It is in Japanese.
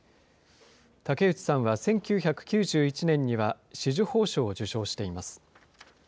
竹内さんは１９９１年には紫綬褒章を受章しています。